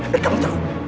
dan kamu tahu